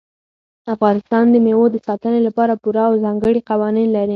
افغانستان د مېوو د ساتنې لپاره پوره او ځانګړي قوانین لري.